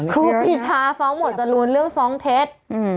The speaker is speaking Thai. ครูปีชาฟ้องหมวดจรูนเรื่องฟ้องเท็จ